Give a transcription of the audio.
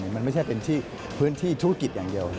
มันไม่ใช่เป็นพื้นที่ธุรกิจอย่างเดียว